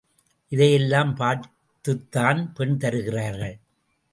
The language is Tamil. இதை எல்லாம் பார்த்துத்தான் பெண் தருகிறார்கள்.